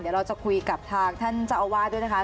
เดี๋ยวเราจะคุยกับทางท่านเจ้าอาวาสด้วยนะคะ